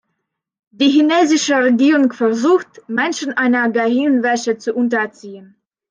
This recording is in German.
Die chinesische Regierung versucht, Menschen einer Gehirnwäsche zu unterziehen.